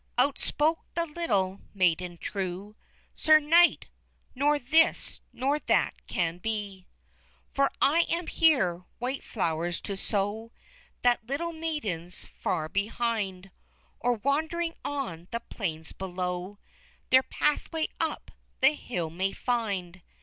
Out spoke the little maiden true: "Sir knight, nor this nor that can be:_ _"For I am here white flowers to sow, That little maidens far behind, Or wandering on the plains below, Their pathway up the hill may find.